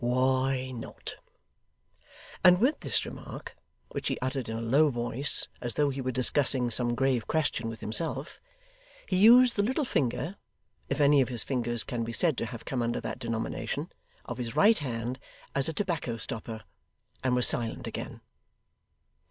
'Why not?' and with this remark, which he uttered in a low voice as though he were discussing some grave question with himself, he used the little finger if any of his fingers can be said to have come under that denomination of his right hand as a tobacco stopper, and was silent again.